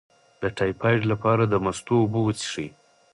د ټایفایډ لپاره د مستو اوبه وڅښئ